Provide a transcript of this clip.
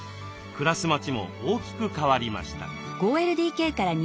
暮らす街も大きく変わりました。